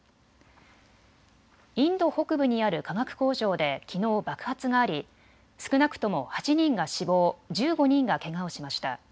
インド北部にある化学工場できのう爆発があり少なくとも８人が死亡、１５人がけがをしました。